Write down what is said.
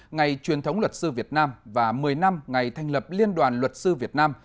ngày truyền thống luật sư việt nam và một mươi năm ngày thành lập liên đoàn luật sư việt nam